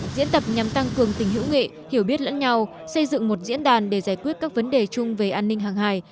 diễn tập nhằm tăng cường tình hữu nghị hiểu biết lẫn nhau xây dựng một diễn đàn để giải quyết các vấn đề chung về an ninh hàng hài